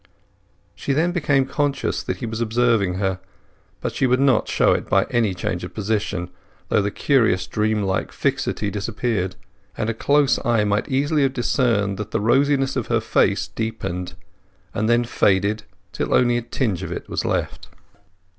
She then became conscious that he was observing her; but she would not show it by any change of position, though the curious dream like fixity disappeared, and a close eye might easily have discerned that the rosiness of her face deepened, and then faded till only a tinge of it was left.